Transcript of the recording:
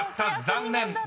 残念。